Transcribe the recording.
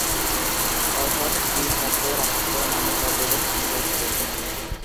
অর্থাৎ de facto রাষ্ট্র মানে কার্যত স্বাধীন রাষ্ট্র।